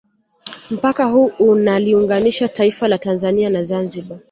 Mpaka huu unaliunganisha taifa la Tanzania na Zambia